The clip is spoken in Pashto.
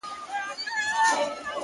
نه مي د دار له سره واورېدې د حق سندري؛